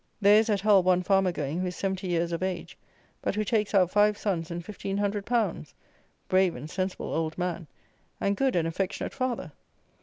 There is at Hull one farmer going who is seventy years of age; but who takes out five sons and fifteen hundred pounds! Brave and sensible old man! and good and affectionate father!